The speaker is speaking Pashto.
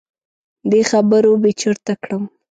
دې خبرو بې چرته کړم.